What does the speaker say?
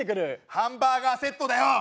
ハンバーガーセットだよ！